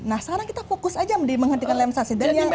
nah sekarang kita fokus saja di menghentikan land subsidence